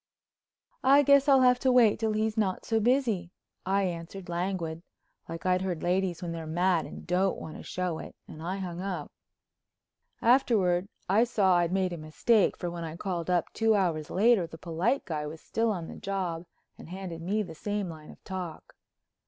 "I guess I'll have to wait till he's not so busy," I answered, languid, like I've heard ladies when they're mad and don't want to show it, and I hung up. Afterward I saw I'd made a mistake, for, when I called up two hours later that polite guy was still on the job and handed me the same line of talk.